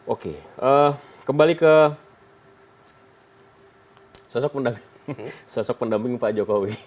oke kembali ke sosok pendamping pak jokowi